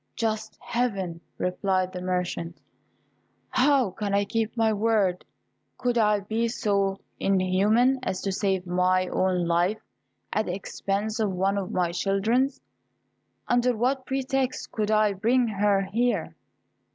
"Just Heaven!" replied the merchant; "how can I keep my word? Could I be so inhuman as to save my own life at the expense of one of my children's; under what pretext could I bring her here?"